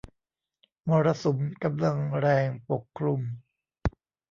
มรสุมกำลังแรงปกคลุม